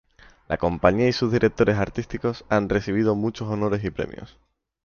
La compañía y sus directores artísticos han recibido muchos honores y premios.